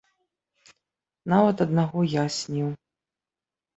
Нават аднаго я сніў.